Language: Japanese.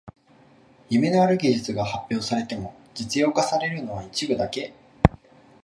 夢のある技術が発表されても実用化されるのは一部だけ